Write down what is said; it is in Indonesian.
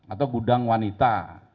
atau gudang wanita